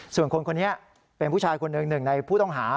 ส่วนคนคนนี้เป็นผู้ชายคนหนึ่งหนึ่งในผู้ต้องหา